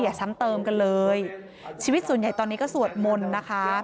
ซ้ำเติมกันเลยชีวิตส่วนใหญ่ตอนนี้ก็สวดมนต์นะคะ